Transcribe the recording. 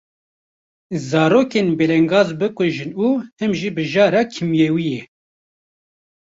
zarokên belengaz bikujin û him jî bi jara kîmyewiyê.